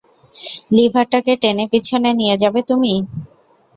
লিভারটাকে টেনে পেছনে নিয়ে যাবে তুমি।